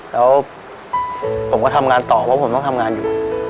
แล้วผมก็ทำงานต่อเพราะผมต้องทำงานอยู่